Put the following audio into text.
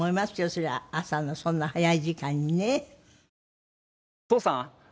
そりゃ朝のそんな早い時間にね。